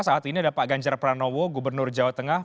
saat ini ada pak ganjar pranowo gubernur jawa tengah